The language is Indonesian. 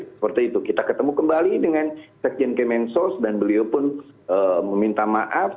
seperti itu kita ketemu kembali dengan sekjen kemensos dan beliau pun meminta maaf